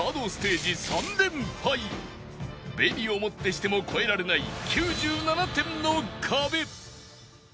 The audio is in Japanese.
ＢＥＮＩ をもってしても超えられない９７点の壁